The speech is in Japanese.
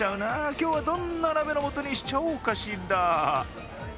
今日はどんな鍋の素にしちゃおうかしら？